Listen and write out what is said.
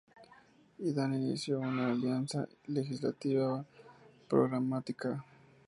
Y dan inicio a una alianza legislativa programática.